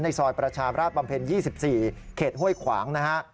ในซอยประชาภาพบำเพ็ญ๒๔เขตห้วยขวางนะครับ